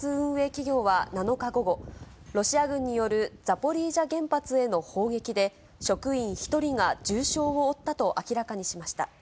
企業は７日午後、ロシア軍によるザポリージャ原発への砲撃で、職員１人が重傷を負ったと明らかにしました。